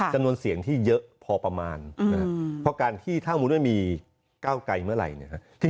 จำนวนเสียงที่เยอะพอประมาณถ้าหมูนไม่มีเก้าใกล้เมื่อไหร่